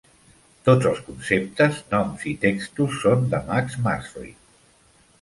Tots els conceptes, noms i textos són de Max Masri.